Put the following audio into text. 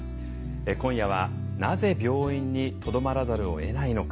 今夜は、なぜ病院にとどまらざるをえないのか。